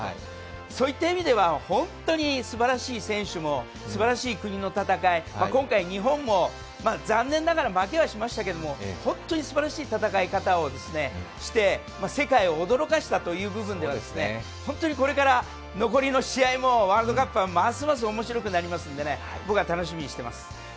そういった意味では本当にすばらしい選手もすばらしい国の戦い、今回、日本も残念ながら負けはしましたけれども、本当にすばらしい戦い方をして世界を驚かせたという部分では残りの試合もワールドカップはますますおもしろくなりますので、僕は楽しみにしてます。